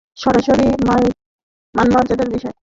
সরাসরি মান-মর্যাদার বিষয়।